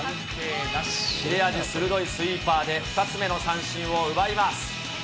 切れ味鋭いスイーパーで、２つ目の三振を奪います。